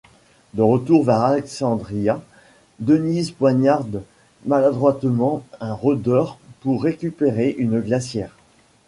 De retour vers Alexandria, Denise poignarde maladroitement un rôdeur pour récupérer une glacière.